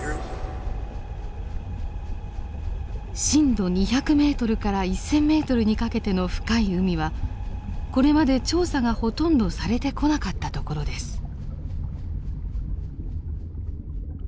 深度２００ｍから１，０００ｍにかけての深い海はこれまで調査がほとんどされてこなかった所です。